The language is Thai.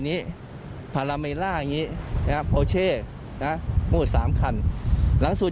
นี้พารามีล่าอย่างนี้นะโพรเชต์นะก็สามคันหลังสุด